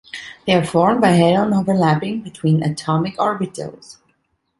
They are formed by head-on overlapping between atomic orbitals.